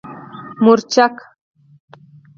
🌶 مورچک